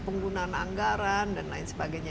penggunaan anggaran dan lain sebagainya